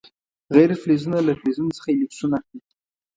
غیر فلزونه له فلزونو څخه الکترون اخلي.